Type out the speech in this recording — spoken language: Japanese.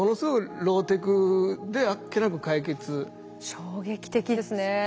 衝撃的ですね。